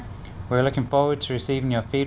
chúng tôi rất mong nhận được sự góp ý